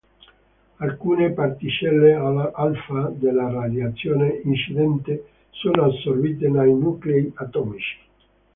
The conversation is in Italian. Alcune particelle alfa della radiazione incidente sono assorbite dai nuclei atomici.